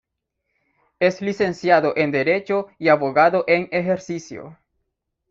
Es licenciado en Derecho y abogado en ejercicio.